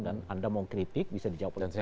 dan anda mau kritik bisa dijawab oleh presiden